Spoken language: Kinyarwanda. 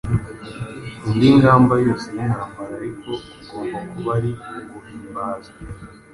indi ngamba yose y’intambara, ariko kugomba kuba ari uguhimbaza